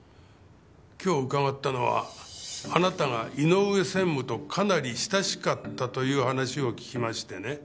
今日伺ったのはあなたが井上専務とかなり親しかったという話を聞きましてね。